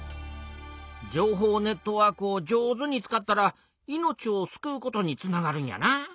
情報ネットワークを上手に使ったら命を救うことにつながるんやな。